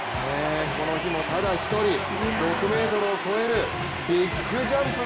この日もただ一人６ｍを超えるビッグジャンプ。